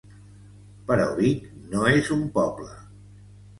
Però Vic no és un poble.